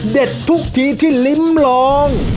เด็ดทุกทีที่ลิ้มลอง